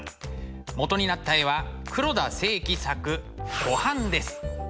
元になった絵は黒田清輝作「湖畔」です。